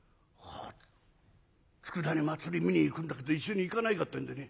佃に祭り見に行くんだけど一緒に行かないかってんでね